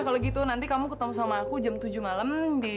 kalau gitu nanti kamu ketemu sama aku jam tujuh malam